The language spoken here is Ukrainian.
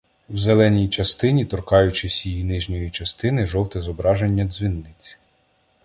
В зеленій частині торкаючись її нижньої частини жовте зображення дзвіниці.